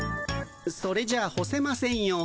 それじゃ干せませんよ。